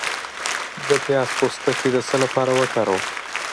د پیاز پوستکی د څه لپاره وکاروم؟